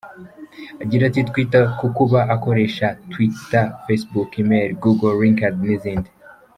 Agira ati ”Twita ku kuba akoresha twitter, facebook, email, google, LinkedIn n’izindi.